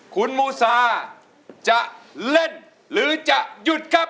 คุณมูซาจะเล่นหรือจะหยุดครับ